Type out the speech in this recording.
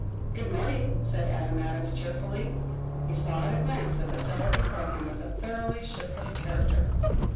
"Good morning," said Adam Adams cheerfully. He saw at a glance that the fellow before him was a thoroughly shiftless character.